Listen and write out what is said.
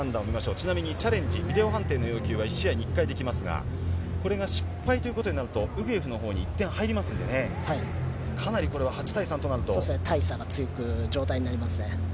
ちなみにチャレンジ、ビデオ判定の要求は１試合に１回できますが、これが失敗ということになると、ウグエフのほうに１点入りますので、かなりこれは８大差がつく状態になりますね。